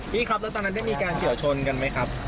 พี่ครับแล้วตอนนั้นได้มีการเฉียวชนกันไหมครับ